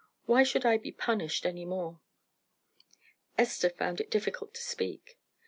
Why should I be punished any more?" Esther found it difficult to speak.